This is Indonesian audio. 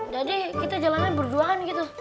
jadi kita jalannya berduaan gitu